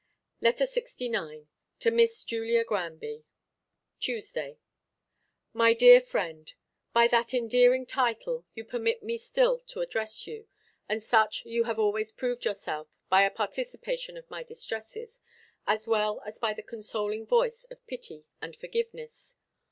LETTER LXIX. TO MISS JULIA GRANBY. TUESDAY. My dear friend: By that endearing title you permit me still to address you, and such you have always proved yourself by a participation of my distresses, as well as by the consoling voice of pity and forgiveness.